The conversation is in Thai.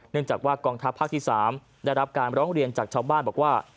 จากว่ากองทัพภาคที่๓ได้รับการร้องเรียนจากชาวบ้านบอกว่า